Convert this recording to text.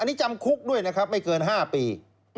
อันนี้จำคุกด้วยนะครับไม่เกิน๕ปี